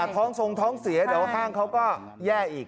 ท้องทรงท้องเสียแต่ว่าห้างเขาก็แย่อีก